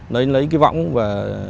lấy cái võng và